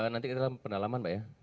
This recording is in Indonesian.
nanti kita dalam pendalaman pak ya